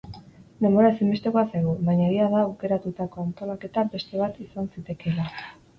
Denbora ezinbestekoa zaigu, baina egia da aukeratutako antolaketa beste bat izan zitekeela.